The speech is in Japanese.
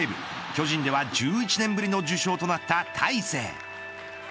巨人では１１年ぶりの受賞となった大勢。